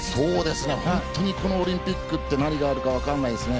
本当にこのオリンピックって何があるかわからないですね。